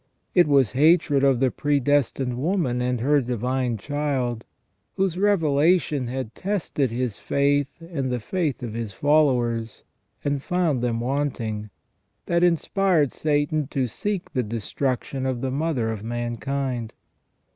It was hatred of the predestined woman and her Divine Child, whose revelation had tested his faith and the faith of his followers, and found them wanting, that inspired Satan to seek the destruc tion of the mother of mankind.